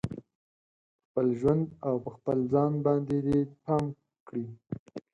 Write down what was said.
په خپل ژوند او په خپل ځان باندې دې پام کړي